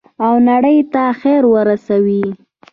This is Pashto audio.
او نړۍ ته خیر ورسوي.